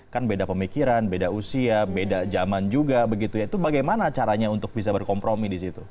kan beda pemikiran beda usia beda zaman juga begitu ya itu bagaimana caranya untuk bisa berkompromi di situ